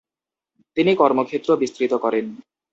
তিনি কর্মক্ষেত্র বিস্তৃত করেন।